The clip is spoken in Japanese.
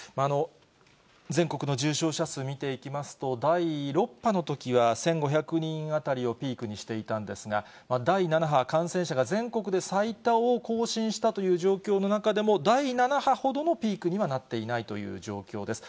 全国の重症者数見ていきますと、第６波のときは、１５００人あたりをピークにしていたんですけれども、第７波、感染者が全国で最多を更新したという状況の中でも、第７波ほどのピークにはなっていないという状況です。